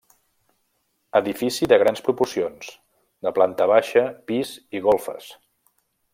Edifici de grans proporcions, de planta baixa, pis i golfes.